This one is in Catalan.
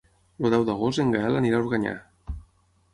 El deu d'agost en Gaël anirà a Organyà.